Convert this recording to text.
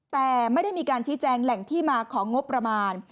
แต่ไม่ได้มีการชี้แจงแหล่งที่มาของงบประมาณ